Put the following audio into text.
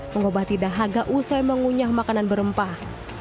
mengobati dahaga usai mengunyah makanan berempah